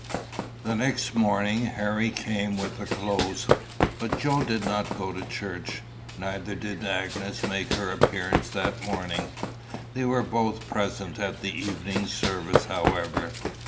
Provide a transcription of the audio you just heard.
The next morning Harry came with the clothes. But Joe did not go to church. Neither did Agnes make her appearance that morning. They were both present at the evening service, however.